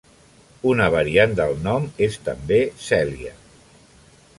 Una variant del nom és també Cèlia.